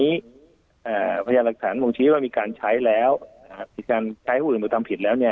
อ่าพยายามหลักฐานมงชาญว่ามีการใช้แล้วอ่าที่การใช้หุ่นบุฒิทำผิดแล้วเนี่ย